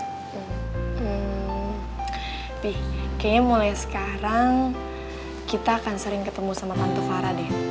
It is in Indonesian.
hmm pi kayaknya mulai sekarang kita akan sering ketemu sama tante farah deh